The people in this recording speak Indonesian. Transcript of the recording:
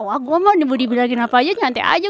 wah gue mau dibenarin apa aja nyantai aja